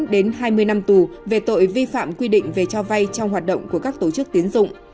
một mươi chín đến hai mươi năm tù về tội vi phạm quy định về cho vay trong hoạt động của các tổ chức tiến dụng